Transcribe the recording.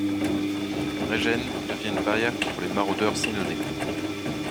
Régennes devient une barrière contre les maraudeurs sénonais.